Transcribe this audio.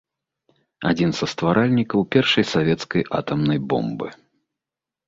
Адзін са стваральнікаў першай савецкай атамнай бомбы.